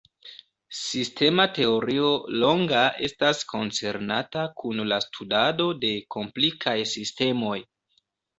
Sistema teorio longa estas koncernata kun la studado de komplikaj sistemoj.